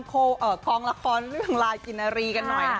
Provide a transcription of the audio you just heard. กองละครเรื่องลายกินนารีกันหน่อยนะคะ